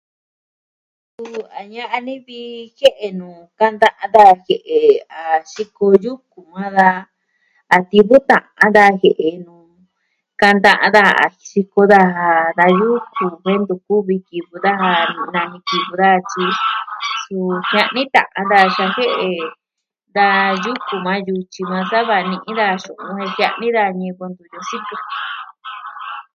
Suu a ña'a ni vi jie'e nuu kanta a da jie'e a xiko yuku maa da a tii vu ta'a na jie'e nuu kanta a da a xiko daa yuku ve ntu kuvi kivɨ daja nuu maa kivɨ daa tyi, suu, jiaa ne ta'an daa sa jie'e, da yuku, maa yutyi, da kuaa va'a ni'i daa xu'un, jia'ni da ñivɨ ntu yusikɨ.